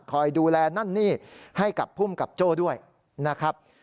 คอยดูแลนั่นนี่ให้กับภูมิกับโจ้ด้วยนะครับ